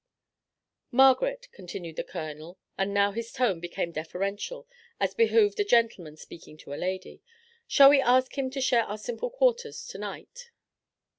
"Margaret," continued the colonel, and now his tone became deferential as behooved a gentleman speaking to a lady, "shall we ask him to share our simple quarters to night?"